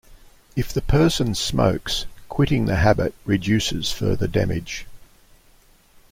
If the person smokes, quitting the habit reduces further damage.